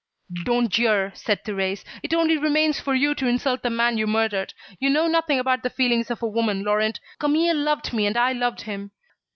"Don't jeer," said Thérèse. "It only remains for you to insult the man you murdered. You know nothing about the feelings of a woman, Laurent; Camille loved me and I loved him."